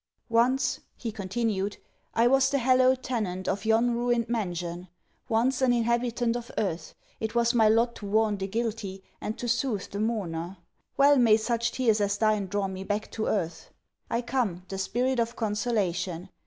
'Once,' he continued, 'I was the hallowed tenant of yon ruined mansion; once, an inhabitant of earth, it was my lot to warn the guilty, and to soothe the mourner. Well may such tears as thine draw me back to earth. I come, the spirit of consolation.